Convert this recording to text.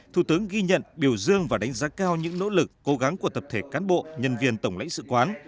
thủ tướng ghi nhận biểu dương và đánh giá cao những nỗ lực cố gắng của tập thể cán bộ nhân viên tổng lãnh sự quán